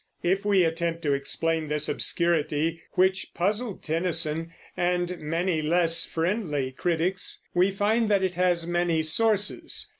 If we attempt to explain this obscurity, which puzzled Tennyson and many less friendly critics, we find that it has many sources.